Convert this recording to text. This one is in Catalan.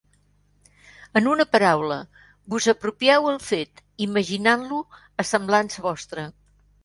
En una paraula: vos apropieu el fet, imaginant-lo a semblança vostra.